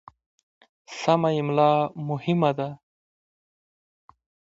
سمه املا مهمه ده.